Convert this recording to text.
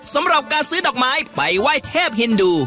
สำหรับการซื้อดอกไม้ไปไหว้เทพฮินดู